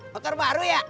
motor baru ya